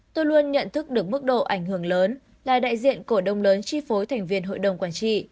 tôi luôn nhận thức được mức độ ảnh hưởng lớn là đại diện cổ đông lớn chi phối thành viên hội đồng quản trị